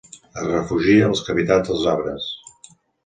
Es refugia a les cavitats dels arbres.